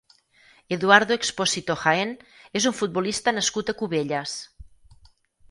Eduardo Expósito Jaén és un futbolista nascut a Cubelles.